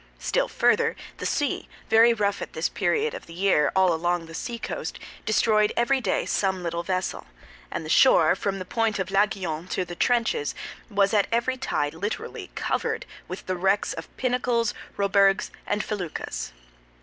Still further, the sea, very rough at this period of the year all along the sea coast, destroyed every day some little vessel; and the shore, from the point of l'Aiguillon to the trenches, was at every tide literally covered with the wrecks of pinnacles, roberges, and feluccas.